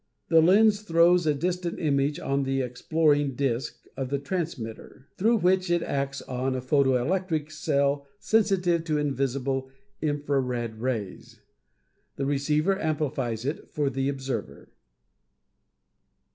The lens throws a distant image on the exploring disc of the transmitter, through which it acts on a photo electric cell sensitive to invisible infra red rays. The receiver amplifies it for the observer.